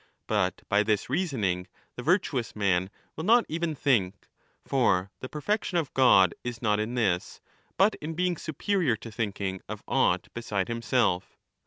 But by this reasoning the virtuous man will not even think ; for the perfection of God is not in this, but in being superior to thinking of aught beside himself.